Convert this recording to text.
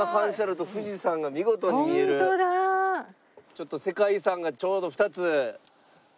ちょっと世界遺産がちょうど２つ見えてます。